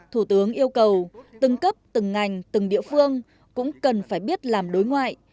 thủ tướng yêu cầu từng cấp từng ngành từng địa phương cũng cần phải biết làm đối ngoại